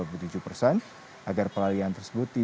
agar peralian tersebut tidak menimbulkan keadaan yang lebih tinggi